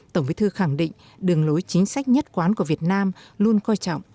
tổng bí thư khẳng định đường lối chính sách nhất quán của việt nam luôn coi trọng